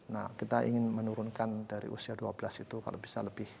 nah kita ingin menurunkan dari usia dua belas itu kalau bisa lebih